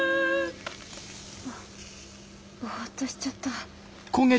あっぼっとしちゃった。